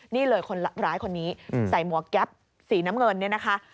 นี่เลยคนร้ายคนนี้ใส่หมวกแก๊ปสีน้ำเงินเนี่ยนะคะ